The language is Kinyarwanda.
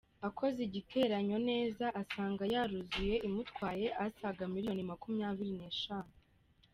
Akoze igiteranyo neza asanga yaruzuye imutwaye asaga miliyoni makumyari n’eshanu.